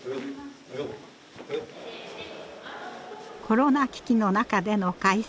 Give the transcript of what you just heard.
コロナ危機の中での開催。